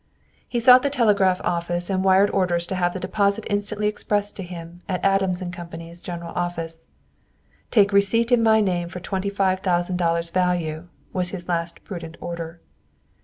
He sought the telegraph office and wired orders to have the deposit instantly expressed to him, at Adams & Co.'s general office. "Take receipt in my name for twenty five thousand dollars' value," was his last prudent order.